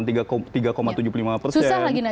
susah lagi lagi ya